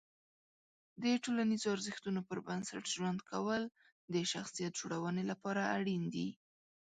د ټولنیزو ارزښتونو پر بنسټ ژوند کول د شخصیت جوړونې لپاره اړین دي.